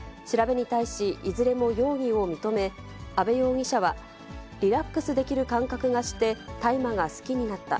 調べに対し、いずれも容疑を認め、安部容疑者は、リラックスできる感覚がして、大麻が好きになった。